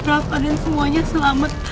rafa dan semuanya selamat